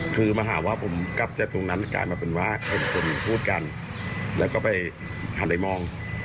คือมาหาว่าผมกลับจากตรงนั้นกลายมาเป็นว่าคนพูดกันแล้วก็ไปหันไปมอง